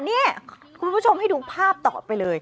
นี่คุณผู้ชมให้ดูภาพต่อไปเลย